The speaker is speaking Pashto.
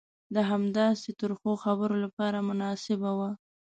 د همداسې ترخو خبرو لپاره مناسبه وه.